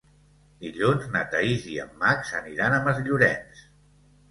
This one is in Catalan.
Dilluns na Thaís i en Max aniran a Masllorenç.